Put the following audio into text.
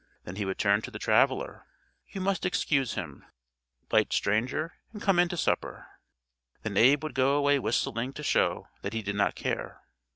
Then he would turn to the traveler, "You must excuse him. 'Light, stranger, and come in to supper." Then Abe would go away whistling to show that he did not care.